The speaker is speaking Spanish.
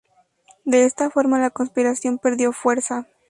De esta forma la conspiración perdió fuerza.